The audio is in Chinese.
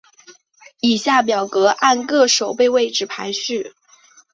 以下表格按各守备位置排序。